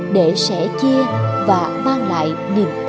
để sẻ chia và mang lại những câu chuyện tự tế